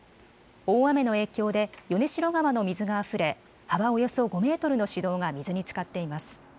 大雨の影響で米代川の水があふれ幅およそ５メートルの市道が水につかっています。